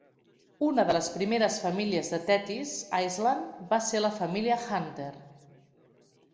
Una de les primeres famílies de Thetis Island va ser la família Hunter.